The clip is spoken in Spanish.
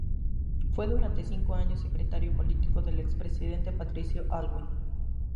Fue durante cinco años secretario político del expresidente Patricio Aylwin.